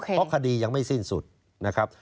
เพราะคดียังไม่สิ้นสุดนะครับ